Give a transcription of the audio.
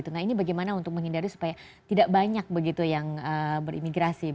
nah ini bagaimana untuk menghindari supaya tidak banyak begitu yang berimigrasi